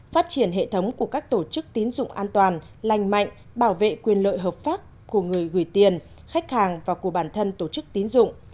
phát triển hệ thống của các tổ chức tín dụng an toàn lành mạnh bảo vệ quyền lợi hợp pháp của người gửi tiền khách hàng và của bản thân tổ chức tín dụng